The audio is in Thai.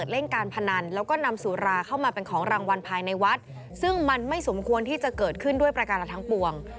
แธวก็นำสูราเข้ามาเป็นของรางวัลภายในวัดซึ่งมันไม่สมควรมัวที่จะเกิดขึ้นด้วยปราการระทั้งปวง